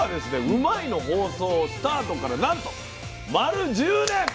「うまいッ！」の放送スタートからなんと丸１０年！